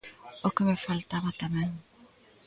O que me faltaba tamén!